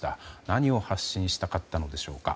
何を発信したかったのでしょうか。